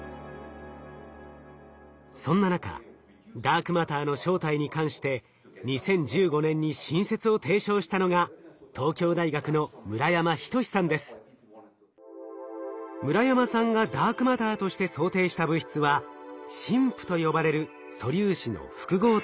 そんな中ダークマターの正体に関して２０１５年に新説を提唱したのが村山さんがダークマターとして想定した物質はＳＩＭＰと呼ばれる素粒子の複合体。